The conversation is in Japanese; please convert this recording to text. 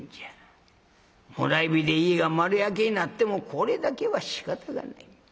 もらい火で家が丸焼けになってもこれだけはしかたがない。